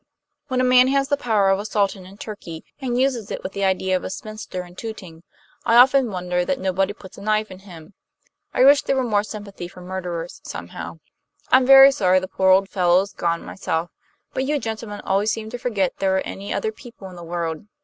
"When a man has the power of a Sultan in Turkey, and uses it with the ideas of a spinster in Tooting, I often wonder that nobody puts a knife in him. I wish there were more sympathy for murderers, somehow. I'm very sorry the poor old fellow's gone myself; but you gentlemen always seem to forget there are any other people in the world.